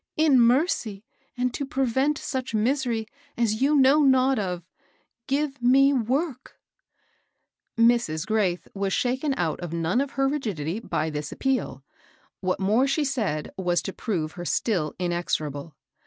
In mercy, and to prevent such misery as you know not of, give me work !" Mrs. Graith was shaken out of none of her rig* idity by this appeal. What more she said was to prove her still inexorable.